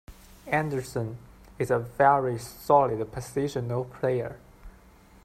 Andersson is a very solid positional player.